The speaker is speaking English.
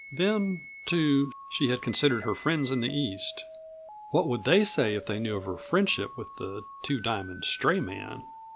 Then, too, she had considered her friends in the East. What would they say if they knew of her friendship with the Two Diamond stray man?